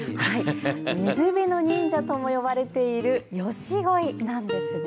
水辺の忍者とも呼ばれているヨシゴイなんです。